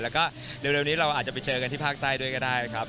แล้วก็เร็วนี้เราอาจจะไปเจอกันที่ภาคใต้ด้วยก็ได้ครับ